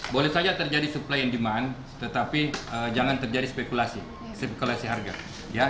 boleh saja terjadi supply and demand tetapi jangan terjadi spekulasi harga ya